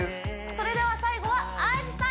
それでは最後はＩＧさん